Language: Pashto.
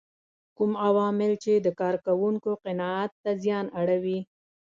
کوم عوامل چې د کار کوونکو قناعت ته زیان اړوي.